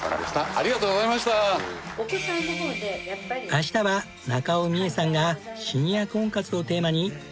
明日は中尾ミエさんがシニア婚活をテーマに人生相談です。